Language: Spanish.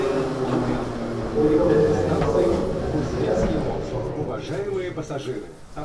Su cuerpo descansa hoy en la catedral de Forlì.